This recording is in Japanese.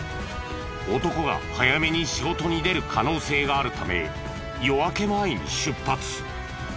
男が早めに仕事に出る可能性があるため夜明け前に出発。